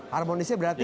harmonisnya berarti nanti